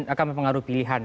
akan mempengaruhi pilihan